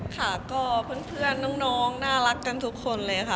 ค่ะก็เพื่อนน้องน่ารักกันทุกคนเลยค่ะ